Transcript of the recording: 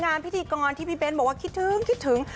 พิธีกรที่พี่เบ้นบอกว่าคิดถึงคิดถึง